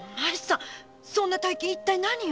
そんな大金一体何を？